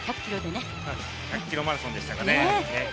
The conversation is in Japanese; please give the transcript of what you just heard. １００ｋｍマラソンでしたね。